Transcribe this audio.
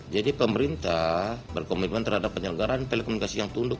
jadi pemerintah berkomitmen terhadap penyelenggaraan telekomunikasi yang tunduk